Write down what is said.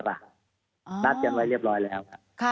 รับไว้เรียบร้อยแล้ว